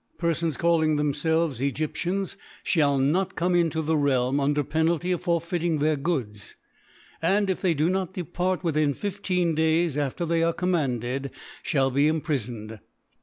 Pcrfons calling them" felves Egyptians (hall not come into the Realm, under Penalty of forfeiting their >Goods ; and, if they do net depart within 15 Days after they are commanded, fhall ha imprifoned.